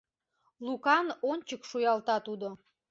— Лукан ончык шуялта тудо.